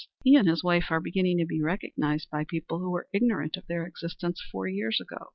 He and his wife are beginning to be recognized by people who were ignorant of their existence four years ago.